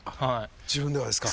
自分ではですか？